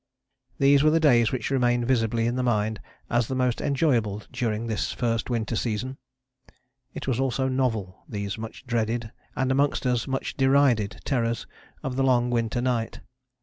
These were the days which remain visibly in the mind as the most enjoyable during this first winter season. It was all so novel, these much dreaded, and amongst us much derided, terrors of the Long Winter Night.